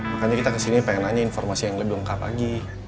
makanya kita kesini pengen nanya informasi yang lebih lengkap lagi